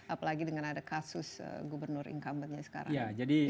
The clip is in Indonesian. apalagi dengan ada kasus gubernur inkambernya sekarang